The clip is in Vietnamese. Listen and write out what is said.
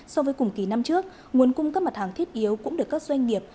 so với cùng kỳ năm trước nguồn cung cấp mặt hàng thiết yếu cũng được các doanh nghiệp